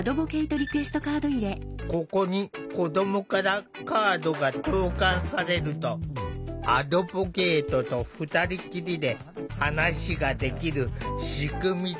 ここに子どもからカードが投かんされるとアドボケイトと２人きりで話ができる仕組みだ。